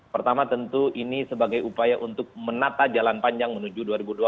pertama tentu ini sebagai upaya untuk menata jalan panjang menuju dua ribu dua puluh